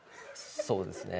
そうですね。